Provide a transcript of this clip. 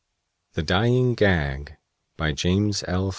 THE DYING GAG BY JAMES L.